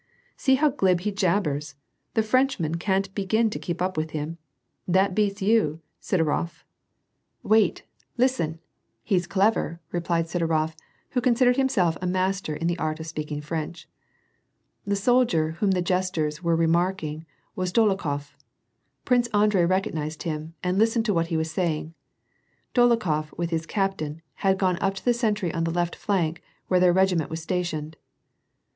" See, how glib he jabbers ! The French man * can't begin to keep up with him. That beats you, Sid orof I "^ KhranUus instead of Frantsus, a Frenchman, 208 ^^/^ ^NI> PEACE. "Wait ! listen. He's clever !" replied Sidorof, who consid ered himself a master in the art of speaking French. The soldier whom the jesters were remarking was Dolo khof. Prince Andrei recognized him, and listened to what he was saying. Dolokhof, with his captain, had gone op to the sentry on the left flank, where their regiment was star tioned.